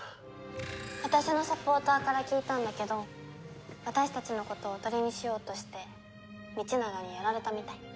私のサポーターから聞いたんだけど私たちのことをおとりにしようとして道長にやられたみたい。